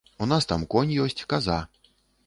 У нас там конь ёсць, каза.